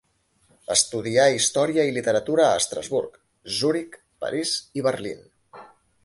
Estudià història i literatura a Estrasburg, Zuric, París i Berlín.